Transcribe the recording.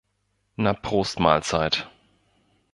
Na Prost Mahlzeit!